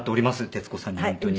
徹子さんには本当に。